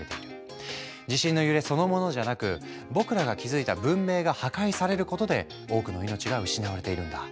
地震の揺れそのものじゃなく僕らが築いた文明が破壊されることで多くの命が失われているんだ。